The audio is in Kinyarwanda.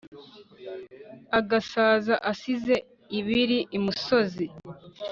Agasaza asize iribi imusozi.